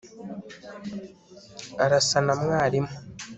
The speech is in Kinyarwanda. arasa na mwarimu